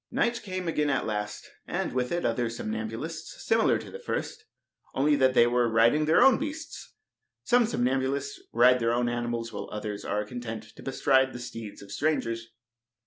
Night came again at last, and with it other somnambulists similar to the first, only that they were riding on their own beasts. Some somnambulists ride their own animals, while others are content to bestride the steeds of strangers.